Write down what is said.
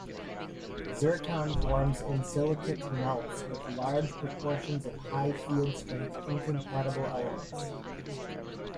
Zircon forms in silicate melts with large proportions of high field strength incompatible elements.